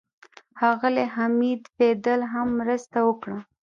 ښاغلي حمید فیدل هم مرسته وکړه.